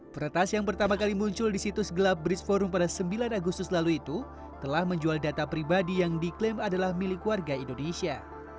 peretas yang pertama kali muncul di situs gelap bridge forum pada sembilan agustus lalu itu telah menjual data pribadi yang diklaim adalah milik warga indonesia